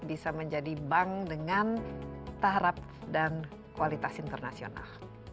bisa menjadi bank dengan tahrab dan kualitas internasional